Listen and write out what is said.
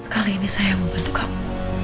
kali ini saya yang membantu kamu